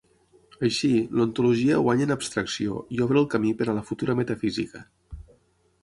Així, l'ontologia guanya en abstracció i obre el camí per a la futura metafísica.